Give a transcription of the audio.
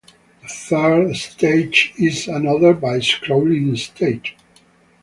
The third stage is another bi-scrolling stage.